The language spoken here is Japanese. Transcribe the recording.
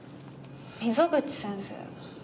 溝口先生。